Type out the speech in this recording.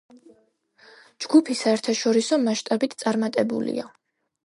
ჯგუფი საერთაშორისო მასშტაბით წარმატებულია.